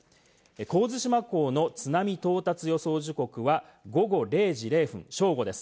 神津島港の津波到達予想時刻は午後０時０分、正午です。